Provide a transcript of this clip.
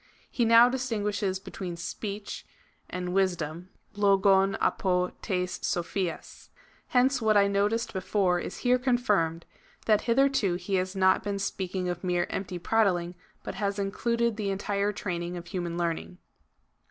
He now distinguishes between speech and wisdom, (Xdyov diro ttJ? <ro(f)ia<;.) Hence what I noticed before^ is here confirmed — that hitherto he has not been speaking of mere empty prattling, but has included the entire training of human learning.